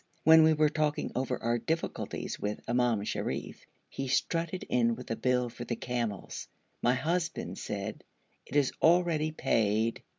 When we were talking over our difficulties with Imam Sharif, he strutted in with a bill for the camels. My husband said: 'It is already paid.'